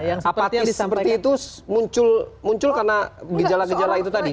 apatis seperti itu muncul karena gejala gejala itu tadi